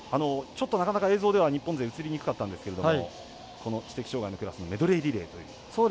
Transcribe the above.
ちょっとなかなか映像では日本勢映りにくかったんですけれどもこの知的障がいのクラスのメドレーリレーというのは。